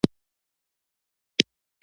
انګور د افغان ځوانانو د هیلو استازیتوب کوي.